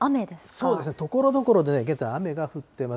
そうですね、ところどころでね、現在、雨が降ってます。